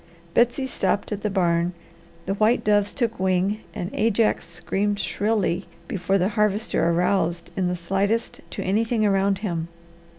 Betsy stopped at the barn, the white doves took wing, and Ajax screamed shrilly before the Harvester aroused in the slightest to anything around him.